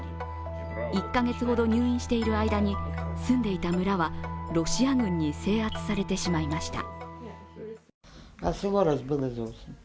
１カ月ほど入院している間に住んでいた村はロシア軍に制圧されてしまいました。